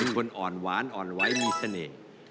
เป็นคนอ่อนหวานอ่อนไว้มีเสน่ห์